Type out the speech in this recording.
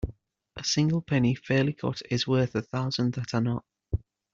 A single penny fairly got is worth a thousand that are not.